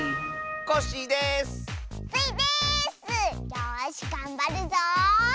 よしがんばるぞ！